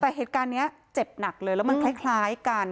แต่เหตุการณ์นี้เจ็บหนักเลยแล้วมันคล้ายกัน